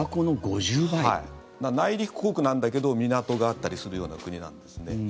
内陸国なんだけど港があったりするような国なんですね。